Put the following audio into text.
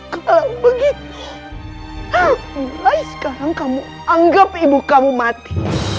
kalau begitu mulai sekarang kamu anggap ibu kamu mati